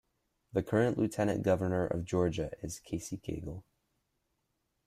The current Lieutenant Governor of Georgia is Casey Cagle.